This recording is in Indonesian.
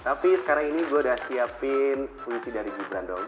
tapi sekarang ini gue udah siapin fungsi dari gibran doang